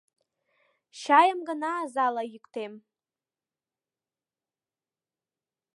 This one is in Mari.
Чайым гына азала йӱктем.